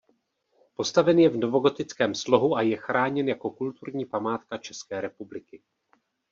Postaven je v novogotickém slohu a je chráněn jako kulturní památka České republiky.